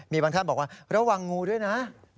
มีบางท่านบอกว่าระวังงูด้วยนะ